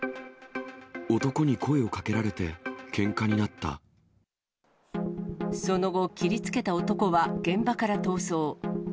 男に声をかけられてけんかにその後、切りつけた男は現場から逃走。